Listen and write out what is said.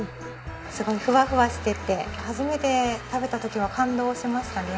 すごいふわふわしてて初めて食べた時は感動しましたね。